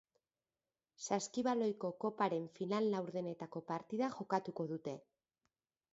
Saskibaloiko koparen final laurdenetako partida jokatuko dute.